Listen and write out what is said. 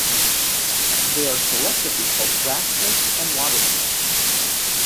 They are collectively called grass snakes and water snakes.